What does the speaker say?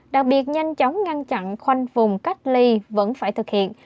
đặc biệt nhanh chóng ngăn chặn khoanh vùng cách ly vẫn phải thực hiện